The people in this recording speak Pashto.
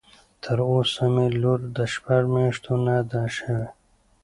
تر اوسه مې لور د شپږ مياشتو نه ده شوى.